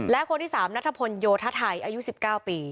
และคนที่๓นัทพลโยธไทยอายุ๑๙ปี